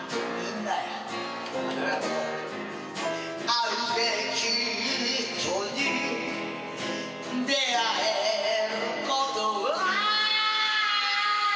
「逢うべき糸に出逢えることを」